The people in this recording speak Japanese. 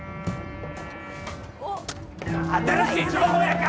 新しい情報屋か？